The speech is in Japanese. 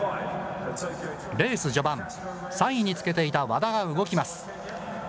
レース序盤、３位につけていた和田が動きます。